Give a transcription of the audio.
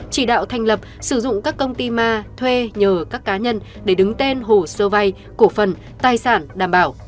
chỉ đạo thành lập sử dụng các công ty ma thuê nhờ các cá nhân để đứng tên hồ sơ vay cổ phần tài sản đảm bảo